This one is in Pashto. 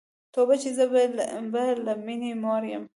توبه چي زه به له میني موړ یم